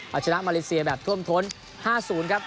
เอาชนะมาเลเซียแบบท่วมท้น๕๐ครับ